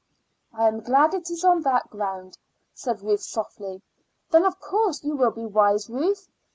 "I am glad it is on that ground," said Ruth softly. "Then of course you will be wise, Ruth.